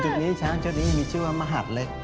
จุดนี้ช้างเชือกเล็กมีชื่อว่ามหัดเล็ก